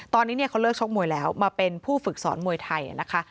ตอนนี้เขาเลิกชกมวยแล้วมาเป็นผู้ฝึกสอนมวยไทยนะคะ